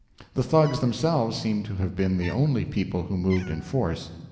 The Thugs themselves seem to have been the only people who moved in force.